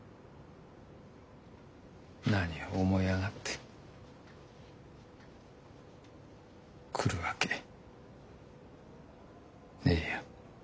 何を思い上がって来るわけねえよ。